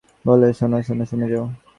বলে, শোনো, শুনে যাও।